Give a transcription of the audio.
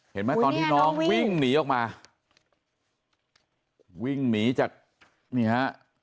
เห็นไหมตอนที่น้องวิ่งหนีออกมาวิ่งหนีจากนี่ฮะ